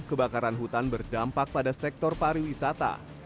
kebakaran hutan berdampak pada sektor pariwisata